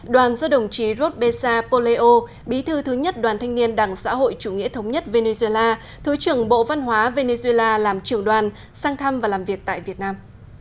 đoàn do đồng chí rosbeza poleo bí thư thứ nhất đoàn thanh niên đảng xã hội chủ nghĩa thống nhất venezuela thứ trưởng bộ văn hóa venezuela làm trưởng đoàn sang thăm và làm việc tại việt nam